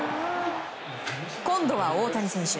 今度は、大谷選手。